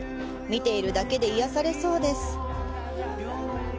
見ているだけで癒やされそうです。